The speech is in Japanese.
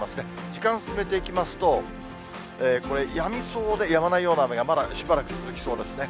時間進めていきますと、これ、やみそうでやまないような雨が、まだしばらく続きそうですね。